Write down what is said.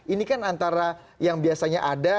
ini kan antara yang biasanya ada